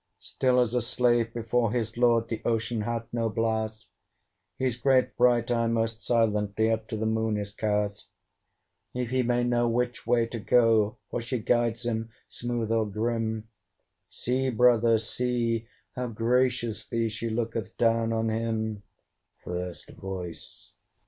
Still as a slave before his lord, The OCEAN hath no blast; His great bright eye most silently Up to the Moon is cast If he may know which way to go; For she guides him smooth or grim See, brother, see! how graciously She looketh down on him. FIRST VOICE.